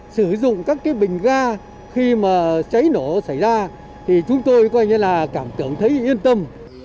sử dụng các cái bình ga khi mà cháy nổ xảy ra thì chúng tôi coi như là cảm tưởng thấy yên tâm